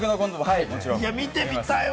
見てみたいな。